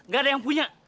nggak ada yang punya